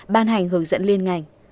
ban hành hướng dẫn liên ngành